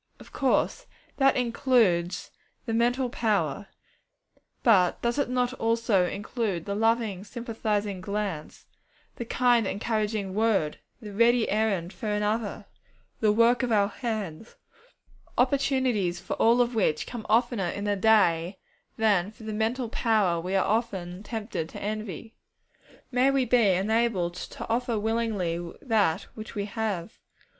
Of course, that includes the mental power, but does it not also include the loving, sympathizing glance, the kind, encouraging word, the ready errand for another, the work of our hands, opportunities for all of which come oftener in the day than for the mental power we are often tempted to envy? May we be enabled to offer willingly that which we have.